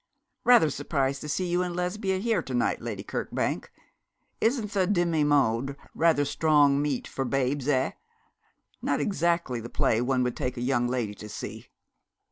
'Rather surprised to see you and Lesbia here to night, Lady Kirkbank. Isn't the Demi monde rather strong meat for babes, eh? Not exactly the play one would take a young lady to see.'